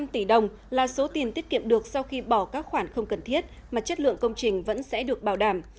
ba bốn trăm linh tỷ đồng là số tiền tiết kiệm được sau khi bỏ các khoản không cần thiết mà chất lượng công trình vẫn sẽ được bảo đảm